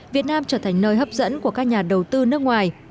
việt nam trở thành nơi hấp dẫn của các nhà đầu tư nước ngoài